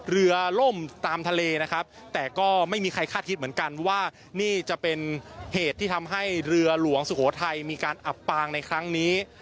เรือล่มตามทะเลนะครับแต่ก็ไม่มีใครคาดคิดเหมือนกันว่านี่จะเป็นเหตุที่ทำให้เรือหลวงสุโขทัยมีการอับปางในครั้งนี้